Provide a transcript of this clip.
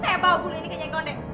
saya bawa bulu ini ke nyai kondek